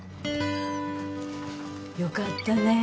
よかったね